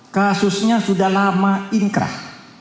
kasusnya sudah lama inkrah